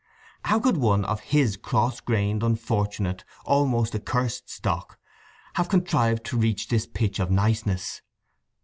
How could one of his cross grained, unfortunate, almost accursed stock, have contrived to reach this pitch of niceness?